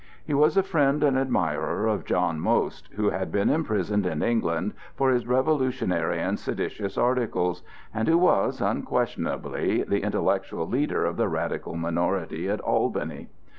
He was a friend and admirer of John Most, who had been imprisoned in England for his revolutionary and seditious articles, and who was, unquestionably, the intellectual leader of the radical minority at Albany.